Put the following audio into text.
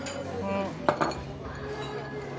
うん？